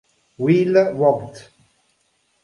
Will Voigt